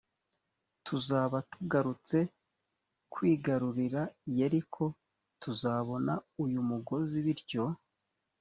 tuzaba tugarutse kwigarurira yeriko tuzabona uyu mugozi bityo